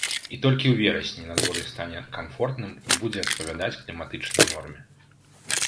І толькі ў верасні надвор'е стане камфортным і будзе адпавядаць кліматычнай норме.